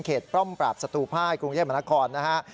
เขตปล้อมปราบศัตรูภายกรุงเย็บมนาคอนนะครับ